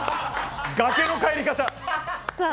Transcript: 崖の帰り方。